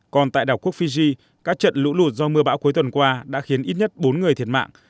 còn tại đảo quốc fiji các trận lũ lụt do mưa bão cuối tuần qua đã khiến ít nhất bốn người thiệt mạng